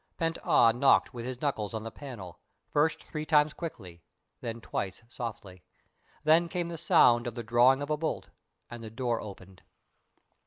Pent Ah knocked with his knuckles on the panel, first three times quickly, and then twice slowly. Then came the sound of the drawing of a bolt, and the door opened.